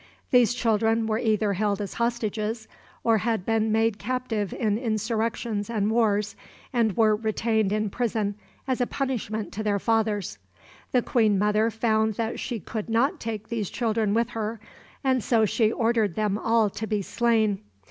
These children were either held as hostages, or had been made captive in insurrections and wars, and were retained in prison as a punishment to their fathers. The queen mother found that she could not take these children with her, and so she ordered them all to be slain.